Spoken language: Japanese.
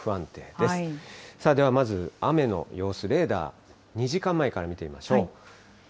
ではまず雨の様子、レーダー、２時間前から見てみましょう。